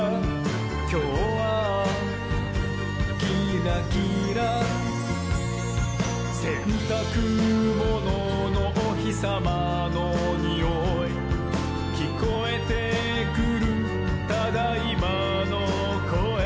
「きょうはキラキラ」「せんたくもののおひさまのにおい」「きこえてくる『ただいま』のこえ」